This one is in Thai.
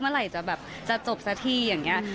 เมื่อไหร่จะจบซะทีอย่างนี้